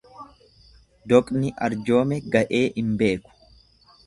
Doqni arjoome ga'ee hin beeku.